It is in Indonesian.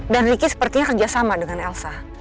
dan ricky sepertinya kerja sama dengan elsa